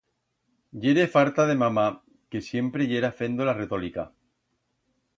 Yere farta de mama, que siempre yera fendo la retolica.